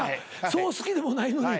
そう好きでもないのに。